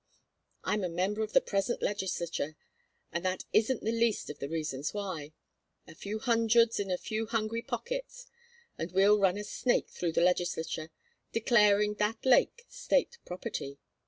I'm a member of the present legislature and that isn't the least of the reasons why. A few hundreds in a few hungry pockets, and we run a snake through the legislature declaring that lake state property.